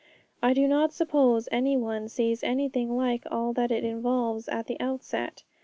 I do not suppose any one sees anything like all that it involves at the outset.